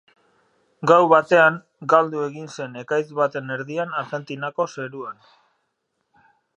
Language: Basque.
Gau batean, galdu egin zen ekaitz baten erdian Argentinako zeruan.